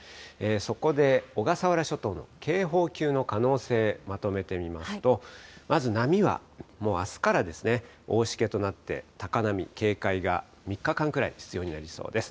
そこで小笠原諸島の警報級の可能性、まとめてみますと、まず波はもうあすからですね、大しけとなって、高波、警戒が３日間くらい必要になりそうです。